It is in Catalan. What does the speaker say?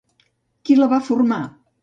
Qui la va formar?